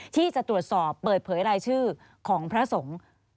ที่จะตรวจสอบเปิดเผยรายชื่อของพระสงฆ์